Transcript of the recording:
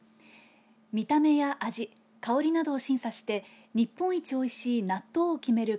見た目や味、香りなどを審査して日本一おいしい納豆を決める